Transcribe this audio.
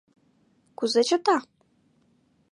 Кузе чыта?